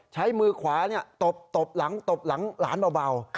ใช้มือขวาเนี่ยตบหลังหลานเบา